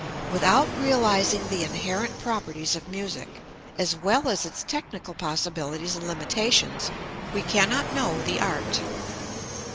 Without realizing the inherent properties of music, as well as its technical possibilities and limitations, we cannot know the art.